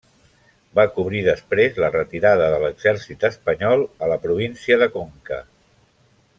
Va cobrir després la retirada de l'Exèrcit espanyol a la província de Conca.